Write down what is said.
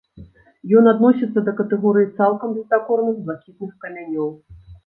Ён адносіцца да катэгорыі цалкам бездакорных блакітных камянёў.